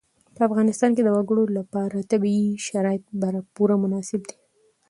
په افغانستان کې د وګړي لپاره طبیعي شرایط پوره مناسب دي.